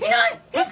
えっ？